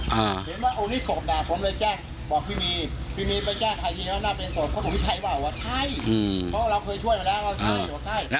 เห็นว่าเอานี่ศพน่ะผมเลยแจ้งบอกพี่มีพี่มีไปแจ้งใครที่นี่ก็น่าเป็นศพ